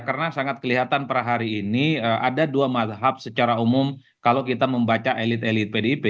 karena sangat kelihatan per hari ini ada dua mazhab secara umum kalau kita membaca elit elit pdp